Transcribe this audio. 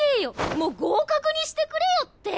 もう合格にしてくれよって！